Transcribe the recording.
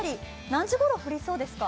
何時ごろ降りそうですか？